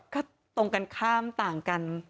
ก็ตรงกันข้ามต่างกัน